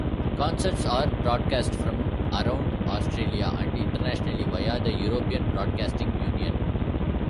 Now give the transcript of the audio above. Concerts are broadcast from around Australia and Internationally, via the European Broadcasting Union.